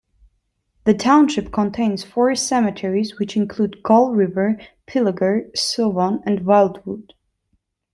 The township contains four cemeteries which include Gull River, Pillager, Sylvan and Wildwood.